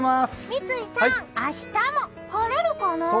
三井さん、明日も晴れるかな？